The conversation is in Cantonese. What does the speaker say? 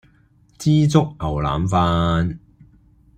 枝竹牛腩飯